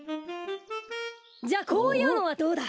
じゃあこういうのはどうだ？